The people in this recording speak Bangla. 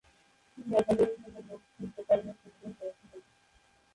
তিনি একাডেমির জন্য লোক শিল্পকর্ম সংগ্রহ করেছিলেন।